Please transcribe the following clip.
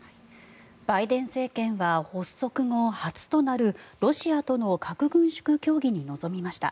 バイデン政権は発足後初となるロシアとの核軍縮協議に臨みました。